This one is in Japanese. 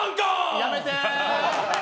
やめて！